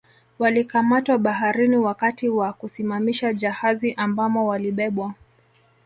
Wakikamatwa baharini wakati wa kusimamisha jahazi ambamo walibebwa